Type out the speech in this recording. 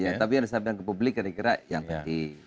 iya tapi yang disampaikan ke publik kira kira yang tadi